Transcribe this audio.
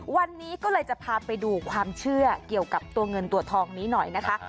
วันนี้ก็เลยจะพาไปดูความเชื่อเกี่ยวกับตัวเงินตัวทองนี้หน่อยนะคะ